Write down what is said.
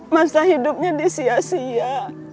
masa hidupnya disia sia